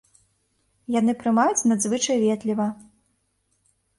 Яны прымаюць надзвычай ветліва.